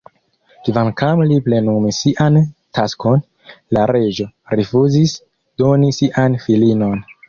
Kvankam li plenumis sian taskon, la reĝo rifuzis doni sian filinon.